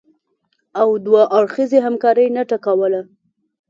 او دوه اړخیزې همکارۍ نټه کوله